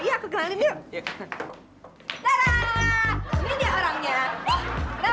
ya aku kenalin yuk ya kan ini dia orangnya